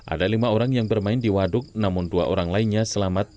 ada lima orang yang bermain di waduk namun dua orang lainnya selamat